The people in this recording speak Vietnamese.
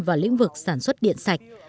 vào lĩnh vực sản xuất điện sạch